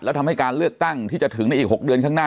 แล้วทำให้การเลือกตั้งที่จะถึงในอีก๖เดือนข้างหน้า